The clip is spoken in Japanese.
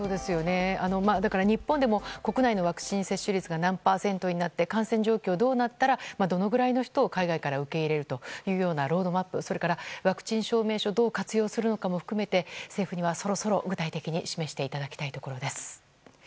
日本でも国内のワクチン接種率が何パーセントになって感染状況がどうなったらどのくらいの人を海外から受け入れるというようなロードマップ、ワクチン証明書をどう活用するかも含めて、政府にはそろそろ具体的に示していただきたいところです。